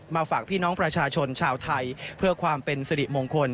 ฝากพี่น้องประชาชนชาวไทยเพื่อความเป็นสิริมงคล